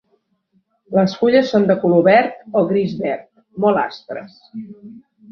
Les fulles són de color verd o gris-verd, molt aspres.